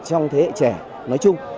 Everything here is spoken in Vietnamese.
trong thế hệ trẻ nói chung